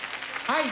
はい！